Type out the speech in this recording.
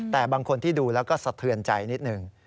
แต่บางคนที่ดูแล้วก็สะเทือนใจนิดหนึ่ง